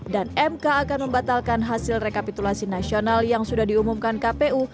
dan mk akan membatalkan hasil rekapitulasi nasional yang sudah diumumkan kpu